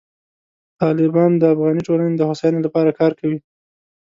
طالبان د افغاني ټولنې د هوساینې لپاره کار کوي.